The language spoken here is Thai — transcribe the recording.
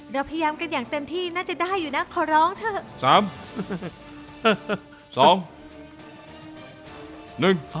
เราพยายามกันอย่างเต็มที่น่าจะได้อยู่นะขอร้องเถอะ